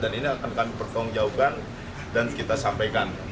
dan ini akan kami pertolong jauhkan dan kita sampaikan